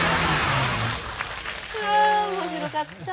あ面白かった。